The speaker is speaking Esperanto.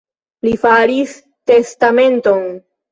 Li faris testamenton.